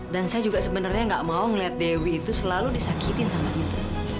dan saya juga sebenarnya gak mau ngeliat dewi itu selalu disakitin sama ibu